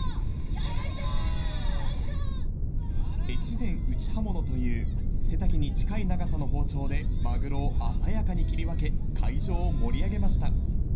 越前打刃物という背丈に近い長さの包丁でマグロを鮮やかに切り分け、会場を盛り上げました。